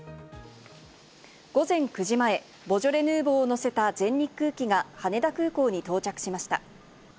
午前９時前、ボジョレ・ヌーボーを乗せた全日空機が羽田空港に到着しました。